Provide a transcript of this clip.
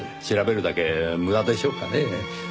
調べるだけ無駄でしょうかねぇ。